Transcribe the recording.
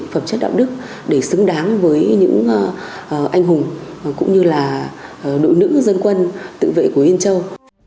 phẩm chất đạo đức để xứng đáng với những anh hùng cũng như là đội nữ dân quân tự vệ của yên châu